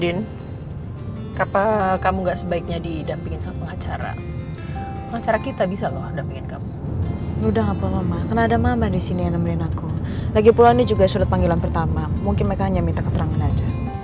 din kapa kamu enggak sebaiknya didampingin pengacara pengacara kita bisa loh udah pengen kamu udah ngapa ngapa karena ada mama di sini yang menemani aku lagi pulangnya juga sudah panggilan pertama mungkin mereka hanya minta keterangan aja